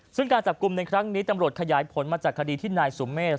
ซึ่งการจับกลุ่มในครั้งนี้ตำรวจขยายผลมาจากคดีที่นายสุเมฆ